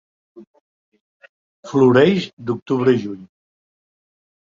Floreix d'octubre a juny.